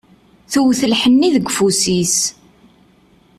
Tewwet lḥenni deg ufus-is.